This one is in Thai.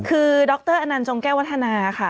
คือดรอจงแก้วัฒนาค่ะ